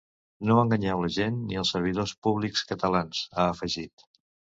No enganyeu la gent ni els servidors públics catalans, ha afegit.